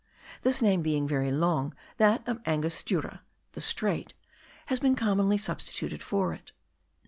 This name being very long, that of Angostura* (the strait) has been commonly substituted for it.